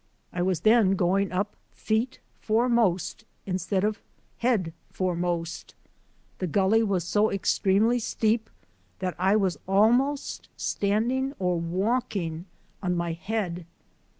I was then going up feet foremost instead of head foremost. The gulley was so extremely steep that I was almost standing or walking on my head.